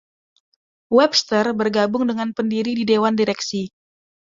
Webster bergabung dengan pendiri di dewan direksi.